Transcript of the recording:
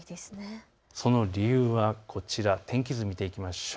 その理由はこちら、天気図を見ていきましょう。